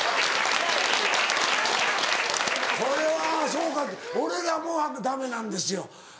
これはそうか俺らもダメなんですよ。